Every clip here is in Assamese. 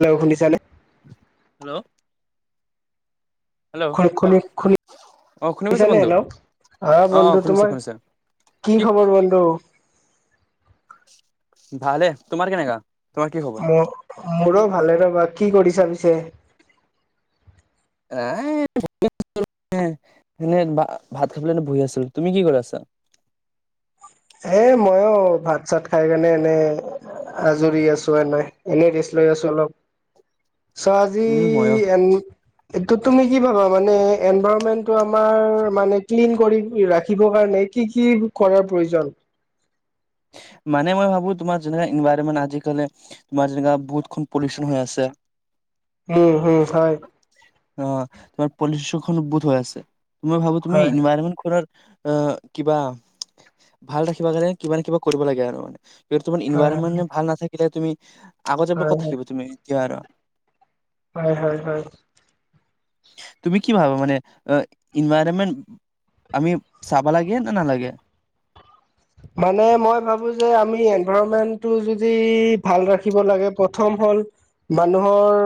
হেল্ল। শুনিছানে? হেল্ল'। হেল্ল' শুন- শুন- অ শুনি পাইছা শুনিছানে বন্ধু হেল্লো, হা অ অ বন্ধু শুনিছো তোমাৰ? শুনিছো কি খবৰ বন্ধু? ভালে, তোমাৰ কেনেকা? তোমাৰ কি খবৰ? মোৰ- মোৰো ভালে ৰ'বা। কি কৰিছে পিছে? এনে ভাত খাবলৈ বহি আছিলোঁ। তুমি কি কৰি আছা? এ মইয়ো ভাত- চাত খাই কেণে এনে। আজুৰি আছোঁ এনেই। এনেই ৰেষ্ট লৈ আছোঁ অলপ। চহ, আজি, উম মইয়ো। এন এইটো তুমি কি ভাবা মানে এনভাৰৰণমেন্টটো আমাৰ মানে ক্লিন কৰি ৰাখিবৰ কাৰণে? কি কি কৰাৰ প্ৰয়োজন? মানে মই ভাবো তোমাৰ যেনেক এনভাইৰমেণ্ট আজিকালি তোমাৰ যেনেকা বহুতখন পলিউশন হৈ আছে। উম, হম, হয়। অ, তোমাৰ পলিউশনখন বহুত হৈ আছে তোমাৰ। মই ভাবো তুমি হয়, ইনভাইৰমেট খোলাৰ আহ, কিবা ভাল ৰাখিব কাৰণে কিবা নে কিবা কৰিব লাগে আৰু মানে। কি তোমাৰ হয়, হয়, ইনভাৰৰনমেণ্ট ভাল নাথাকিলে তুমি আগত যাব হয়, কৈ হয়, থাকিব তুমি এতিয়া আৰু। হয়- হয়- হয়। তুমি কি ভাব মানে, ইনভাইৰমেন্ত আমি চাবা লাগে না নালাগে? মানে মই ভাবো যে, আমি এনভাইৰনমেন্টটো যদি ভাল ৰাখিব লাগে প্ৰথম হ'ল মানুহৰ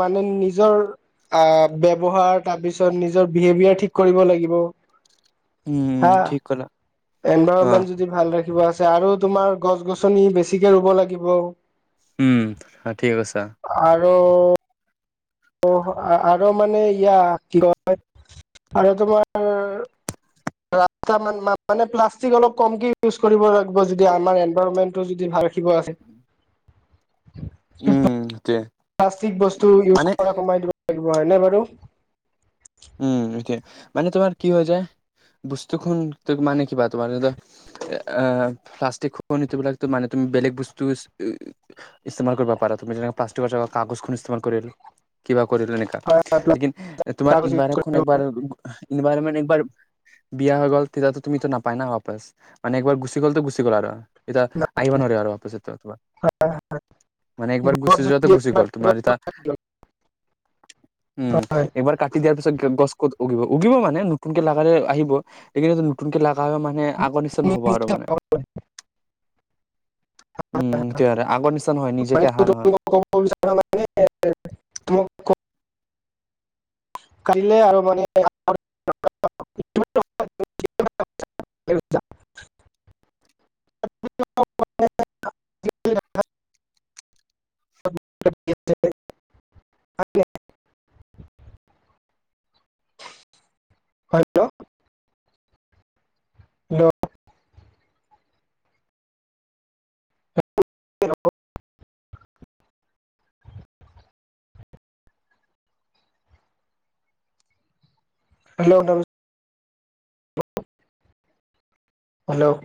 মানে নিজৰ আহ, ব্যৱহাৰ, তাৰ পিছত নিজৰ বিহেভিয়াৰ ঠিক কৰিব লাগিব। উম, হা ঠিক কলা। অ', এনভাইৰনমেন্ট যদি ভাল ৰাখিব আৰু তোমাৰ গছ- গছনি বেছিকে ৰুব লাগিব। উম, ঠিক কৈছা। আৰু অ, আৰু মানে ইয়াক কি কয় আৰু তোমাৰ [unintelligible] ৰাস্তান মানে প্লাষ্টিক অলপ কমকে ইউজ কৰিব লাগিব। যদি আমাৰ এনভাইৰণমেণ্টটো যদি ভাৰ ৰাখিব আছে। উম, সেইটোয়ে। প্লাষ্টিক বস্তু ইছজ কৰা কমাই দিব লাগিব। হয় নে বাৰু। উম সেইটোৱে, মানে তোমাৰ কি হৈ যায় বস্তু খন মানে কিবা তোমাৰ ধৰি ল, আহ প্লাষ্টিক খোৱা নিবিলাক মানে তুমি বেলেগ বস্তু, ইস্তেমাল পাৰা তুমি যেনে প্লাষ্টিকৰ কাগজ খন কৰিল কিবা কৰিল এনেকা, হয় হয় প্লাষ্টিক লেকিন তোমাৰ কাগজ ইনভাৰ ইনভৰমেনট একবাৰ, বিয়া হৈ গ'ল তেতিয়াতো তুমিতো নাপাই না বাপাচ মানে একবাৰ গুচি গ'লতো গুচি গ'ল আৰু, এতিয়া ইউজ আহিব নোৱাৰে আৰু পাছত ত তোমাৰ, মানে একবাৰ গুচি গছ যোৱা তটো যদি গুচি গ'ল তোমাৰ তিতা, উম হয় এইবাৰ, দিয়াৰ পিছত গছ ক'ত উগিব উগিব মানে নতুনকে লাগেলে আহিব। এইখিনো নতুনকে লাগালে মানে আগৰ নিচিনা তুমি নহ'ব আৰু নিজে মানে। উম সেইটো আৰু আগৰ নিচনা নহয় নিজ, [unintelligible] মোক কালিলে আৰু মানে, [unintelligible] [unintelligible] হেল্ল হেল্ল [unintelligible] [unintelligible] হেল্ল'